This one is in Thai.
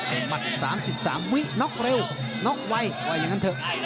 มัด๓๓วิ้น็อกเร็วน็อกไวว่าอย่างนั้นเถอะ